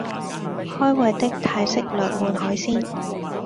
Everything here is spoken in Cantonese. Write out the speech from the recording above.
開胃的泰式涼拌海鮮